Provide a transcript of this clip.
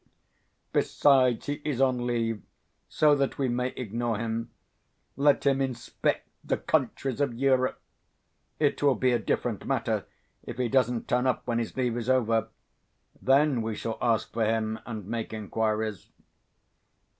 Besides, he is on leave, so that we may ignore him let him inspect the countries of Europe! It will be a different matter if he doesn't turn up when his leave is over. Then we shall ask for him and make inquiries."